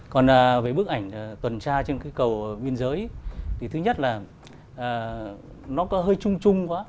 còn về bức ảnh tuần tra trên cây cầu biên giới thì thứ nhất là nó có hơi chung chung quá